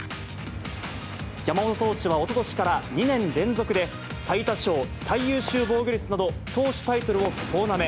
山本投手はおととしから２年連続で、最多勝、最優秀防御率など、投手タイトルを総なめ。